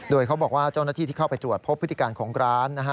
โดยเขาบอกว่าเจ้าหน้าที่ที่เข้าไปตรวจพบพฤติการของร้านนะฮะ